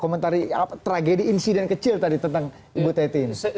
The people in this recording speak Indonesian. komentari tragedi insiden kecil tadi tentang ibu teti ini